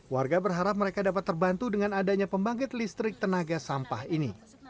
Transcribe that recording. warga berharap mereka dapat terbantu dengan adanya pembangkit listrik tenaga sampah ini